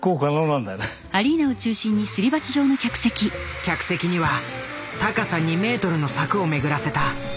客席には高さ２ｍの柵を巡らせた。